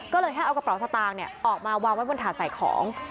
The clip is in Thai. ก็เลยแค่เอากระเป๋าสตางค์ออกมาวางไว้บนถาดใส่ของ